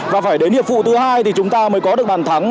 và phải đến hiệp phụ thứ hai thì chúng ta mới có được bàn thắng